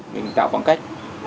mình tạo khoảng cách